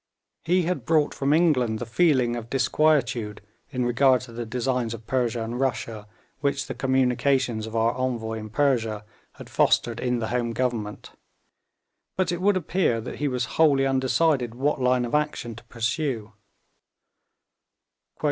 He had brought from England the feeling of disquietude in regard to the designs of Persia and Russia which the communications of our envoy in Persia had fostered in the Home Government, but it would appear that he was wholly undecided what line of action to pursue.